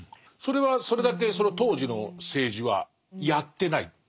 それはそれだけ当時の政治はやってない？